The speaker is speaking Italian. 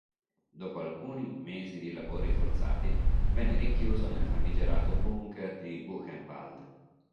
Dopo alcuni mesi di lavori forzati, venne rinchiuso nel famigerato “Bunker” di Buchenwald.